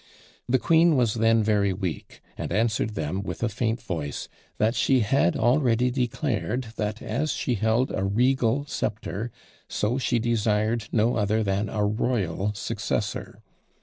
The queen was then very weak, and answered them with a faint voice, that she had already declared, that as she held a regal sceptre, so she desired no other than a royal successor.